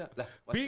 lah wasitnya bingung